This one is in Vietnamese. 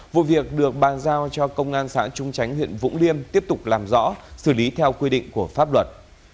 vụ việc được bàn giao cho công an xã trung chánh huyện vũng liêm tiếp tục làm rõ xử lý theo quy định của pháp luật